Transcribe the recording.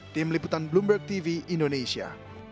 tim liputan bloomberg tv indonesia